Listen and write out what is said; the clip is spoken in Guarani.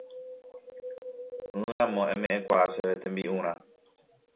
ỹramo eme'ẽkuaa chéve tembi'urã